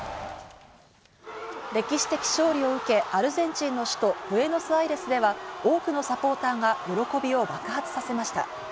歴史的勝利を受け、アルゼンチンの首都ブエノスアイレスでは多くのサポーターが喜びを爆発させました。